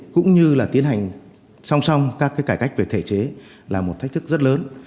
cũng như tiến hành song song các cải cách về thể chế là một thách thức rất lớn